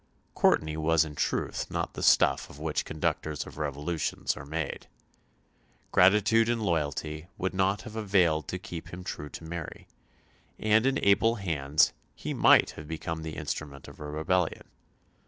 Courtenay was in truth not the stuff of which conductors of revolutions are made. Gratitude and loyalty would not have availed to keep him true to Mary, and in able hands he might have become the instrument of a rebellion.